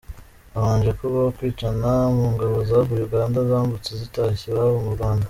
Habanje kubaho kwicana mu ngabo zavuye Uganda zambutse zitashye iwabo mu Rwanda.